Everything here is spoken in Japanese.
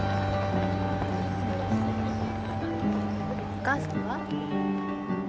お母さんは？